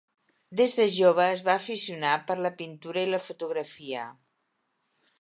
Des de jove es va aficionar per la pintura i la fotografia.